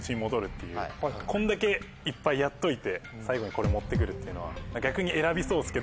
こんだけいっぱいやっといて最後にこれ持ってくるっていうのは逆に。